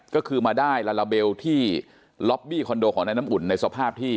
ก็คือมาได้ลาลาเบลที่ค้นโตของในน้ำอุ่นในสภาพที่